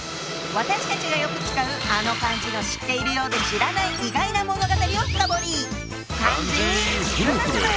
私たちがよく使うあの漢字の知ってるようで知らない意外な物語を深掘り！